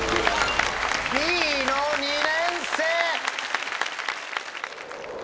Ｂの２年生！